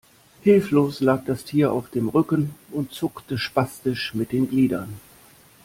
Hilflos lag das Tier auf dem Rücken und zuckte spastisch mit den Gliedern.